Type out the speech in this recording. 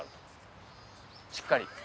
しっかり。